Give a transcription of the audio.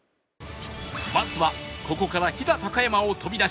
バスはここから飛騨高山を飛び出し